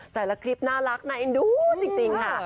แต่ละคลิปน่ารักในดูจริงค่ะ